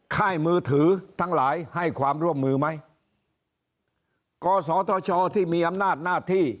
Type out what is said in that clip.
ค่ายมือถือทั้งหลายให้ความร่วมมือไหมกศธชที่มีอำนาจหน้าที่